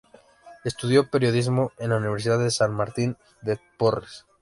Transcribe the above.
Estudió Periodismo en la Universidad de San Martín de Porres.